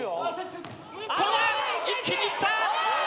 一気にいった！